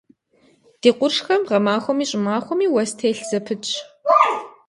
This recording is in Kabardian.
Ди къуршхэм гъэмахуэми щӏымахуэми уэс телъ зэпытщ.